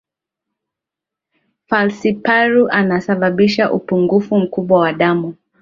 falciparu anasababisha upungufu mkubwa wa damu